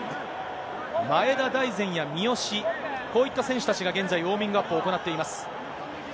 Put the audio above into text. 前田大然や三好、こういった選手たちが現在、ウォーミングアップを行っています。